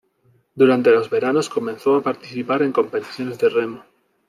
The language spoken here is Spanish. Durante los veranos comenzó a participar en competiciones de remo.